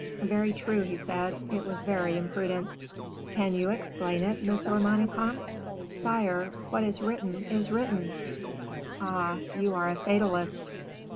"Very true," he said, "it was very imprudent." "Can you explain it, Monsieur Manicamp?" "Sire, what is written is written!" "Ah! you are a fatalist."